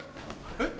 えっ？